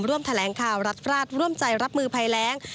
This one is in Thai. ร่วมแถลงข่าวรัฐราชร่วมใจรับมือภัยแรง